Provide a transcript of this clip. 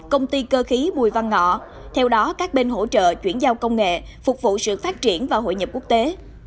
công ty cơ khí bùi văn ngọ theo đó các bên hỗ trợ chuyển giao công nghệ phục vụ sự phát triển và hội nhập quốc tế